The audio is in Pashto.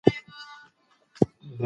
ځنګلونه د باران په ډېرېدو کې مرسته کوي.